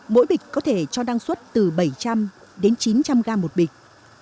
mỗi bịch có thể cho năng suất từ bảy trăm linh chín trăm linh g một bịch